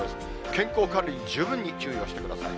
健康管理に十分に注意をしてください。